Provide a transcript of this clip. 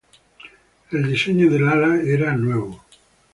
El diseño del ala era nuevo.